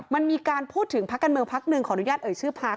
มันมีการพูดถึงพักการเมืองพักหนึ่งขออนุญาตเอ่ยชื่อพัก